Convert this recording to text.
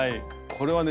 これはね